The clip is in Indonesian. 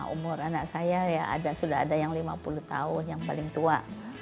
umur anak saya ya sudah ada yang lima puluh tahun yang paling tua